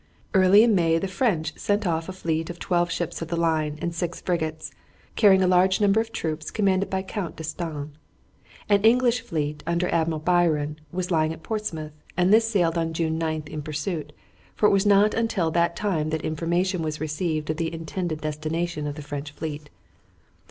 Early in May the French sent off a fleet of twelve ships of the line and six frigates, carrying a large number of troops commanded by Count D'Estaing. An English fleet, under Admiral Byron, was lying at Portsmouth, and this sailed on June 9 in pursuit; for it was not until that time that information was received of the intended destination of the French fleet.